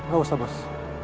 gak usah bos